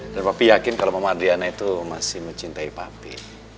dan papi yakin kalau mama adriana itu masih mencintai papi